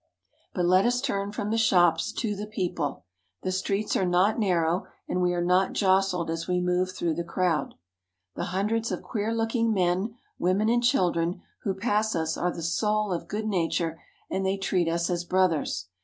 TOKYO 41 But let us turn from the shops to the people. The streets are not narrow, and we are not jostled as we move A Dry goods Store. through the crowd. The hundreds of queer looking men, women, and children who pass us are the soul of good na ture, and they treat us as brothers.